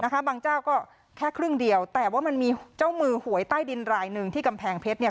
บางเจ้าก็แค่ครึ่งเดียวแต่ว่ามันมีเจ้ามือหวยใต้ดินรายหนึ่งที่กำแพงเพชรเนี่ย